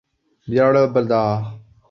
事业单位